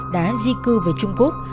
đã di cư về trung quốc